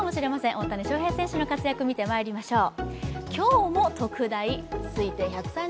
大谷翔平選手の活躍、見てまいりましょう。